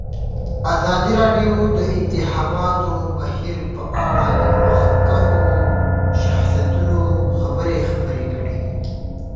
ازادي راډیو د د انتخاباتو بهیر په اړه د مخکښو شخصیتونو خبرې خپرې کړي.